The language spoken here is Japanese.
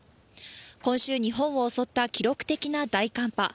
今週、日本を襲った記録的な大寒波。